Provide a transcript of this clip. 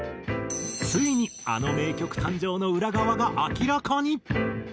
ついにあの名曲誕生の裏側が明らかに。